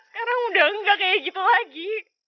sekarang udah gak kayak gitu lagi